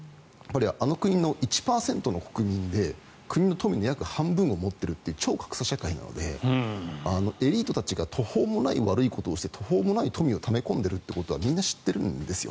あの国の１％の国民で国の富の約半分を持っているという超格差社会なのでエリートたちが途方もない悪いことをして途方もない富をため込んでいることはみんな知ってるんですよ。